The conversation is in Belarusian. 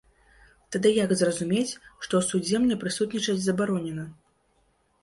Тады як зразумець, што ў судзе мне прысутнічаць забаронена?